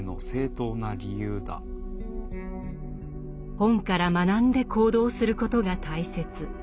本から学んで行動することが大切。